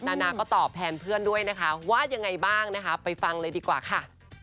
นานาก็ตอบแทนเพื่อนด้วยนะคะว่ายังไงบ้างนะคะไปฟังเลยดีกว่าค่ะ